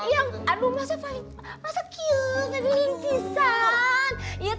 yang aduh masa masa cute ada lingkisan